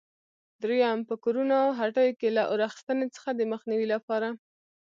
درېیم: په کورونو او هټیو کې له اور اخیستنې څخه د مخنیوي لپاره؟